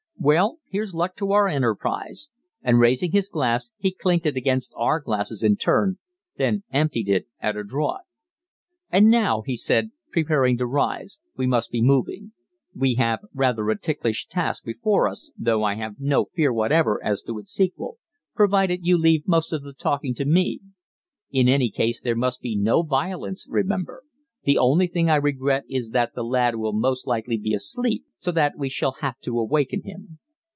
Well, here's luck to our enterprise," and, raising his glass, he clinked it against our glasses in turn, then emptied it at a draught. "And now," he said, preparing to rise, "we must be moving. We have rather a ticklish task before us, though I have no fear whatever as to its sequel, provided you leave most of the talking to me. In any case there must be no violence, remember. The only thing I regret is that the lad will most likely be asleep, so that we shall have to awaken him."